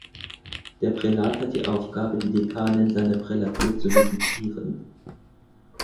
Der Prälat hat die Aufgabe die Dekane in seiner Prälatur zu visitieren.